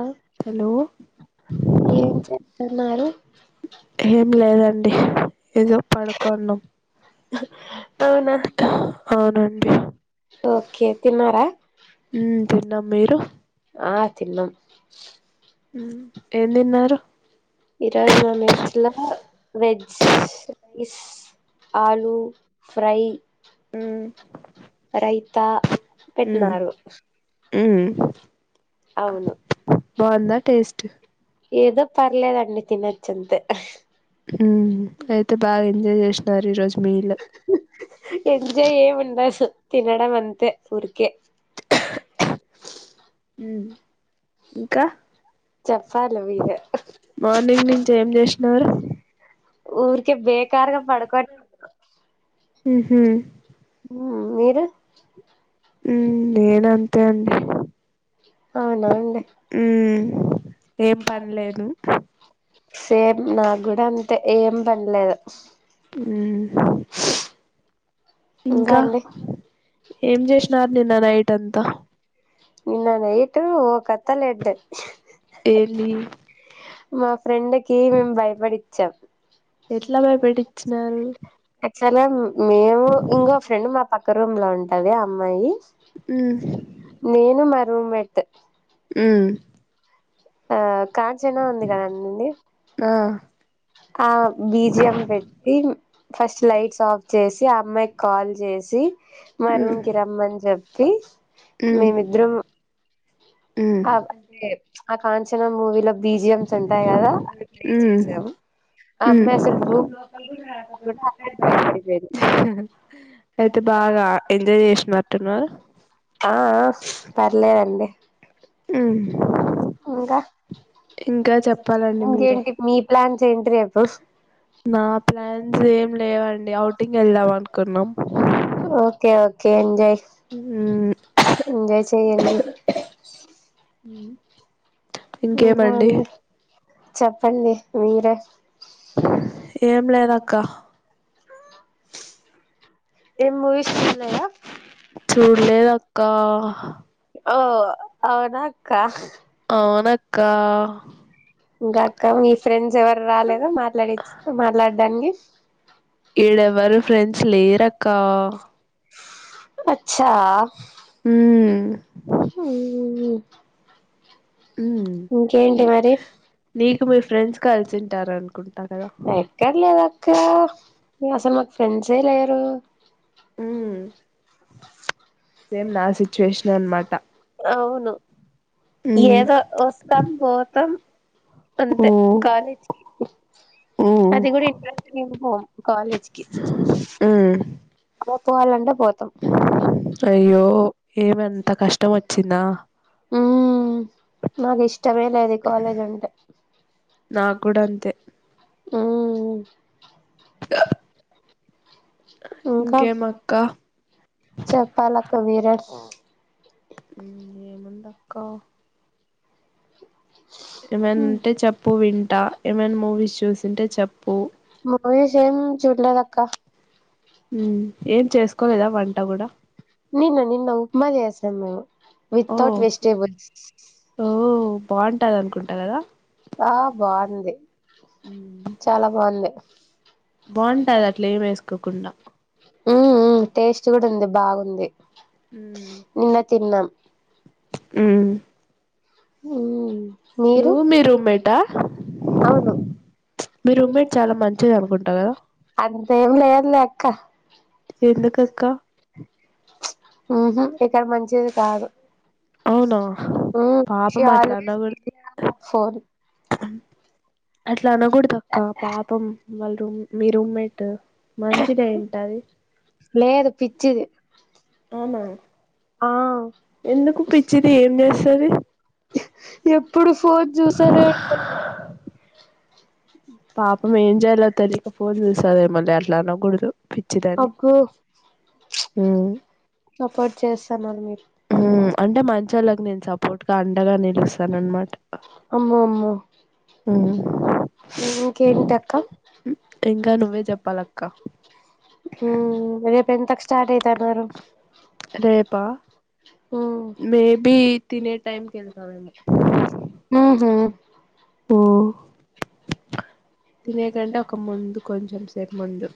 ఆ హలో ఏం చేతున్నారు ఏం లేదండి ఏదో పడుకున్నాం అవునా అవునండి ఓకే తిన్నారా ఉమ్ తిన్నాం మీరు ఆ తిన్నాం ఉమ్ ఏం తిన్నారు ఈ రోజు మెస్లో వెజ్ ఆలూ ఫ్రై ఉమ్ రైతా పెట్టినారు అవును బావుందా టేస్ట్ ఏదో పర్లేదండి తినొచ్చంతే ఉమ్ అయితే బాగా ఎంజాయ్ చేషినారు ఈ రోజు ఎంజాయ్ ఎముంద అస్ తినడం అంతే ఊరికే మ్ ఉమ్ ఇంకా చెప్ చెప్పాలీ మీరే మార్నింగ్ నుంచి ఏం చేసినారు ఉర్కే బేకారుగా పడుకోని ఉహు ఉమ్ మీరు ఉమ్ నేనంతే అండి అవునా అండి ఉమ్ ఏం పనిలేదు సేమ్ నాకు గూడా అంతే ఏం పనిలేదు ఉమ్ ఇంకా ఏం చేషినారు నిన్న నైట్ అంతా నిన్న నైట్ ఒకత్తాలెడ్ ఏందీ ఫ్రెండకి మేం భయపడిచ్చం ఎట్లా భయపెట్టిచ్చినారు సరే మేము ఇంకో ఫ్రెండ్ మా పక్క రూమ్ లో ఉంటది అమ్మాయి ఉమ్ నేను మా రూమ్మేట్ ఉమ్మ్ ఆ కాంచన ఉంది కదండి ఆ ఆ బీజియం పెట్టి ఫస్ట్ లైట్స్ ఆఫ్ చేసి ఆ అమ్మాయికి కాల్ చే సి మా మ్మ్ రూమ్ కి రమ్మని చెప్పి మ్మ్ మేమిద్దరం మ్మ్ ఆ కాంచనా మూవీలో బీజిఎమ్స్ ఉంటాయి కదా అవి ట్రై మ్మ్ చేసాము ఆ అమ్మాయి అసలు రూమ్ ఆల్గూడ రాకోకుంటే అక్కడే బాగుండేది భయపడిపోయింది హుమ్ హుమ్ అయితే బాగా ఎంజాయ్ చేసినట్టున్నారు ఆ ఆ పర్లేదండి మ్మ్ ఇంకా ఇంకా చెప్పాలండి మీరే ఇంకేంటి మీ ప్లాన్స్ ఏంటి రేపు నా ప్లాన్స్ ఏం లేవండి ఔటింగ్ వెళ్దాం అనుకున్నాం ఓకే ఓకే ఎంజాయ్ మ్మ్ ఎంజాయ్ చెయ్యండి హుమ్ ఇంకా అండి చెప్పండి మీరే ఏం లేదక్క మీరు ఏం మూవీస్ చూడలేదా చూడలేద చూడలేదక్కా ఓ అవునా అక్క అవునక్కా ఇంకాక్క మీ ఫ్రెండ్స్ ఎవరు రాలేద మాట్లాడిచి మాట్లాడడానికి ఈడెవరు ఫ్రెండ్స్ లేరక్క అచ్చా ఉమ్ ఉమ్ ఇంకేంటి మరి నీకు మీ ఫ్రెండ్స్ కలిసింటారు అనుకుంటా కదా ఎక్కడ లేదక్కా అసల్ నాకు ఫ్రెండ్సే లేరు ఉమ్ సేమ్ నా సిచ్యువేషన్ అనమాట అవును ఏదో వస్తాం పోతాం ఓ అంతే కాలేజ్కి ఓ అది కూడా ఇంట్రెస్ట్ గా ఏం పోం కాలేజ్కి ఉమ్ పో పోవాలంటే పోతాం అయ్యో ఏమంత కష్టం వచ్చిందా హుమ్ నా కిష్ ష్టమే లేదు ఈ కాలేజ్ అంటే నాకు కూడా అంతే హూమ్ అ ఇంకా చెప్పాలక్క మీరే ఏముందక్కా ఏమైనుంటే చెప్పు వింటా ఏమైనా మూవీస్ చూసింటే చెప్పు మూవీసేం చూడలేదక్క హుమ్ ఏం చేసుకోలేదా వంట కూడా న్న ఉప్మా చేశాం మేము ఓ వితౌట్ వెజిటేబుల్స్ ఓ టా దానుకుంట కదా ఆ బాగుంది హూమ్ చాలా బాగుంది బాంటది అట్లా ఏం ఎస్కోకుండ ఉమ్ ఉమ్ టేస్ట్ కూడా ఉంది బాగుంది హుమ్ నిన్న తిన్నాం హుమ్ హుమ్ మీరు మీ రూమ్మేట అవును మీ రూమ్మేట్ చాలా మంచిది అనుకుంటా కదా అంతేం లేదులే అక్క ఎందుకక్క ఊహు ఇక్కడ మంచిది కాదు అవునా హుమ్ పాపం అట్లా చాలా అనకూడదు [unintelligible] అట్లా అనకూడదక్క పాపం వాళ్ళ రూమ్ మీ రూమ్మేట్ మంచిదే ఉంటది లేదు పిచ్చిది అవునా ఆ ఎందుకు పిచ్చిది ఏం చేస్తది ఎప్పుడు ఫోన్ చూస్తానే ఉం పాపం ఏం చేయలో తెలిక ఫోన్ చూస్తదేమీలే అట్లా అనకూడదు పిచ్చిదని అగ్గో ఉమ్ సపోర్ట్ చేస్తున్నారు మీరు హుమ్ అంటే మంచి వాళ్ళకి నేను సపోర్ట్గా అండగా నిలుస్తాను అనమాట అమ్మో అమ్మో హుమ్ హు ఇంకేంటక్కా ఇంకా నువ్వే చెప్పాలక్క హుమ్ రేపు ఎంతకు స్టార్ట్ అయితన్నారు రేపా ఉమ్ మేబి తినే టైమ్కి కేల్తావేమో మ్ హు తినే కంటే ఒక ముందు కొంచెం సేపు ముందు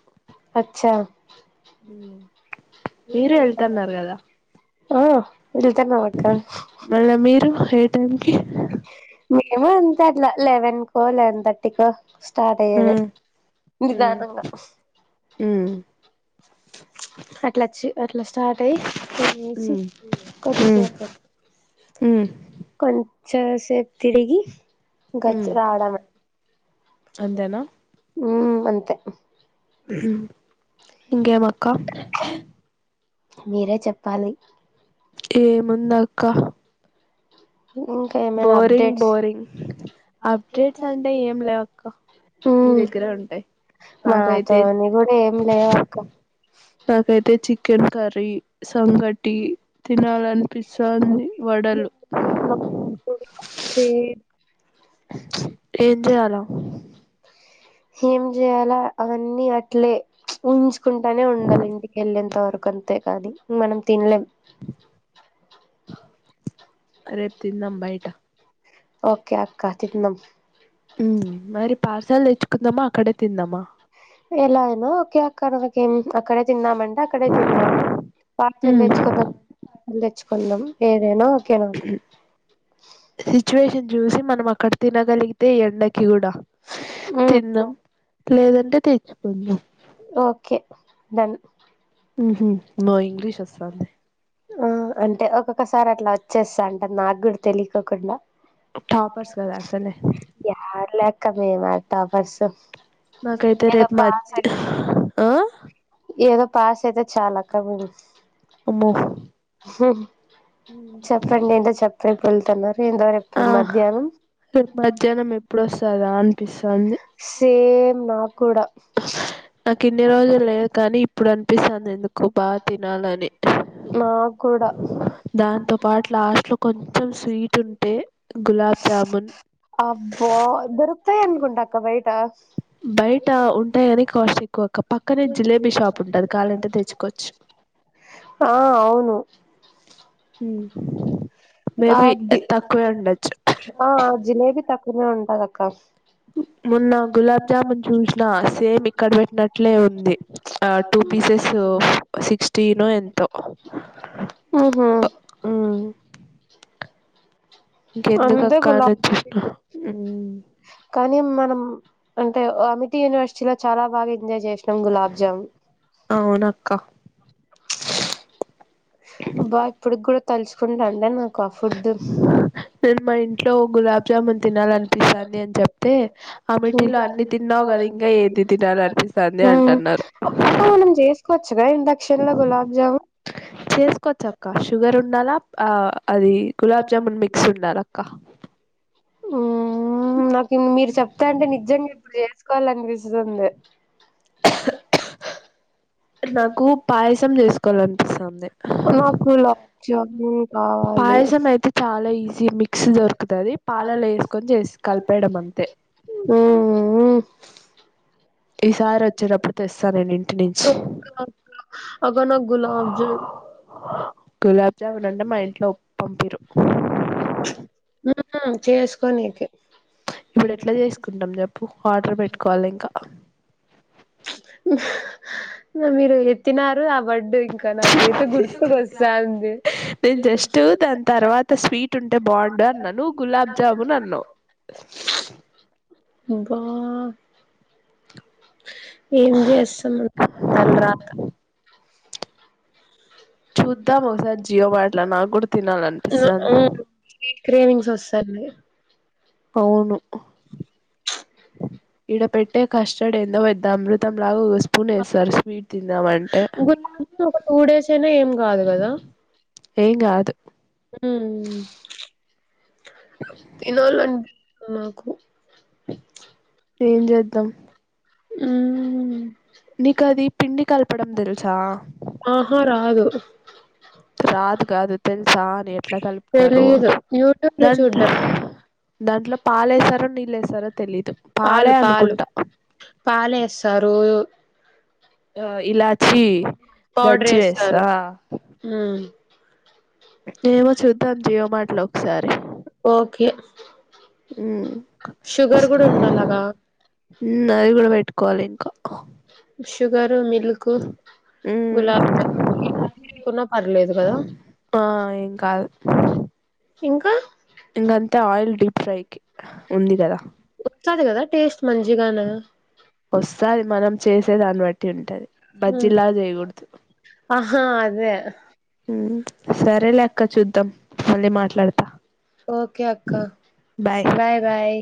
అచ్చా మీరు వెళ్తున్నారు కదా వెళ్తాన్నామ్మక్క మళ్ళా మీరు ఏ టైంకి మేము అంతే అట్లా లెవెన్కో లెవెన్ తర్టీకో స్టార్ట్ అయ్యేది ఉమ్ ఉమ్ నిదానంగా ఉమ్ అట్లాచ్చు అట్లా స్టార్ టై ఉమ్ ఉమ్ [unintelligible] ఉమ్ కొన్ చసేప్ తిడిగి గచ్ రావడమే అంతేనా హుమ్ అంతే ఇంగే మా అక్కా మీరే చెప్పాలి ఏ ముందా అక్క ఇంకా ఏమైనా బోరింగ్ అప్డేట్స్ బోరింగ్ అప్డేట్స్ అంటే ఏం లేవక్క మీీ ఉమ్ దగ్గరే ఉంటాయి నాకైతే మాతోని కూడా ఏమి లేవు అక్క నాక అైతే చికెన్ కరీ సంగటి తినాలనిపిస్తుంది వడలు స ఏం చేయాల ఏం చేయాలా అవన్నీ అట్లే ఉంచుకుంటానే ఉండాలి ఇంటిక వెళ్ళేంత వరకు అంతే కాదు మనం తినలేం రేపు తిందా అబాయిటా ఓకే అక్క చిన మరి పార్సల్ తెచ్చుకుందామా అక్కడే తిందామా ఎలా అయినా ఓకే అక్కడ నాకేం అక్కడే తిన్నామ అంటే అక్కడే తిందాం పాార్సల్ తెచ్చుకుందాం తెచ్చుకుందాం ఏదైనా ఓకేనా సిచ్యువేషన్ చూసి మనం అక్కడ తినగలిగితే ఈ ఎండకి కూడా ఉమ్ తిన్నాం లేదంటే తెచ్చుకుందాం ఓకే డన్ ను ఇంగ్లీష్ వస్తాే ఆ అంటే ఒక్కొక్కసారి అట్లా వచ్చేస్తా అంట నాకు కూడా తెలియకోకుండా టాపర్స్ కదా అసలే కమే మతా బర్స్ నాకైతే ఏద రేపు పా మధ్య ఆ ఏద పాస్ అయితే చాలాక్క ఉమో చెప్పండి ఏంటో చెప్పరేపు వెళ్తున్నారు ఎంతవరేపు మధ్యాహ్నం రే మధ్యాహ్నం ఎప్పుడు వస్తందా అనిపిస్తుంది సే నా నాకు ఇన్ని రోజులు లేదు కానీ ఇప్పుడు అనిపిస్తుంది ఎందుకు బాగా తినాలని నాకు కూడా దాంతోపాటు లాస్ట్లో కొంచెం స్వీట్ ఉంటే గులాబ్ జాముూన్ అబ్బో దరుతనికికు ఉంటాక బయట బయట ఉంటాయిని కాస్ట్ ఎక్కువ కప్పు పక్కనే జిలేబీ షాప్ ఉంటది కాాలంటే తెచ్చుకోవచ్చు ఆ అవును హ ఆ ఆ జిలేబీ తక్కువనే ఉంటాంది అక్క మొన్న గులాబ్ జామున్ చూసినా సేమ్ ఇక్కడ పెట్టినట్లే ఉంది ఆ ట పీసెస్ సిక్స్టీను ఎంతో ఆహా ఇంకెందుకు అంతే అక్క అని గులాబీ వచ్చేసిన కానీ మనం అ అమిత యూనివర్సిటీలో లో చాలా బా ఎజాయ్ చేసినం గులాబ్ జామున్ అవున అక్కా అ బా ఇప్పుడుకి కూడా తలుచుకుంటా అండి నాకు ఆ ఫుడ్ తినాలి అనిపిస్తుంది అని చెప్తే ఆ మిట్లో అన్ని తిన్నావు కదా ఇంకా ఏది తినాల అనిపిస్తుంది అక్క మనం చేసుకోవచ్చుగాద ఇండక్షన్ లో గులాబ్ జామున్ చేసుకోవచ్చ అక్క షుగర్ ఉండాలా ఆ అది గులాబ్జామున్ మిక్స్ ఉన్నారు అక్క ఉ నాకు మీరు చెప్తా అంటే నిజంగా ఇప్పుడు చేసుకోవాలనిపిస్తుంది నాకు పాయసం చేసుకోవాలనిపిస్తుంది నాకు గులాబ్ జామున్ కావాలి పాయసం అయితే చాలా ఈజీ మిక్స్ దొరుకుతుది పాలాలు వేసుకొని చేసి కలిపేయడం అంతే మ్మ్ ఈసారి వచ్చేటప్పుడు తెస్తా నేను ఇంటి నుంచి అక్క నాక్ గులాబ్ జామ్ గులాబ్జామున్ అంటే మా ఇంట్లో పంపిరు ఆ చేసుకో నీకే ఇప్పుడు ఎట్లా చేసుకుంటాం చెప్పు ఆర్డర్ పెట్టుకోవాలి ఇంకా మీరు ఎత్తిన రాబడ్డు ఇంకా నాక ఏతే గుర్తుకొచ్చాంది నేను జస్ట్ దాని తర్వాత స్వీట్ ఉంటే బాగుండు అన్నాను గులాబ్జామున్ అన్నావ్ అవ్వ ఏం చేస్తాం తల రాత చూద్దాం చ ఒకసారి జియో మార్ట్లో నాకు కూడా తినాలనిపిస్తాంది కక్రేవింగస్ వస్తాయి అవును ఇడ పెట్టే కష్టం కస్టర్డ్ ఏందో పెద్ద అమృతం లాగా చుస్ ఒక టూ డేస్ అయినా ఏం కాదు కదా ఏం కాదు హ్మ్ తినాలి అనిపించిది మాకు ఏం చేద్దాం హ్మ్ నీకు అది పిండి కలపడం తెలుసా ఆహా రాదు రాదు కాదు తెలుసా అని ఎట్లా కలుపుతారు తెలిదు యూట్యూబ్ లో దాంట్లో చూడ్డం పా దాంట్లో పాలేసారో నీళ్ళేసారో తెలీదు పాలు పాలే పాలు అనుకుంటా పాలేస్తారు ఆ ఇలా ఇలాచి పౌడర్ దంచి వేస్తారు వేస్తా మ్మ్ ఏమో చూద్దాం జియో మార్ట్ లో ఒకసారి ఓకే ఉమ్ షుగర్ కూడా ఉండాలలాగా అవి కూడా పెట్టుకోవాలి ఇంకా షుగర్ మిల్క్ ఉమ్ గులాబ్ జామున్ స్వీట్గా ఉన్న పర్లేదు కదా ఆ ఏం కాదు ఇంకా ఇంకంతా ఆయిల్ డీప్ ఫ్రైకి ఉంది కదా చదు కదా టేస్ట్ మంచిగానే అంతే దాన్ని బట్టి ఉంటది బజ్జీలా చేయికుడుదు ఆహా అదే సరే లెక్క చూద్దాం మళ్ళీ మాట్లాడతా ఓకే అక్క బాయ్ బాయ్